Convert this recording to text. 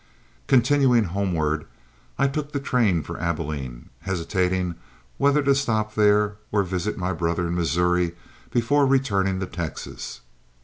Continuing homeward, I took the train for Abilene, hesitating whether to stop there or visit my brother in Missouri before returning to Texas.